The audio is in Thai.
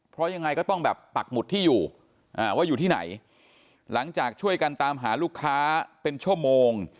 เพราะยังไงก็ต้องแบบปักหมุดที่อยู่ว่าอยู่ที่ไหนหลังจากช่วยกันตามหาลูกค้าเป็นชั่วโมง